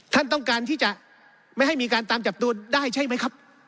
ท่านต้องการที่จะไม่ให้มีการตามจับตัวได้ใช่ไหมครับ